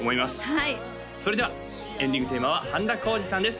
はいそれではエンディングテーマは半田浩二さんです